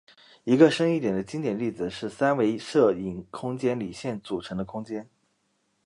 一个深一点的经典例子是三维射影空间里线组成的空间。